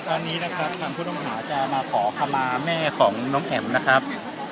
ตอนนี้นะครับทางผู้ต้องหาจะมาขอขมาแม่ของน้องแอ๋มนะครับ